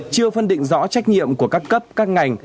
chưa phân định rõ trách nhiệm của các cấp các ngành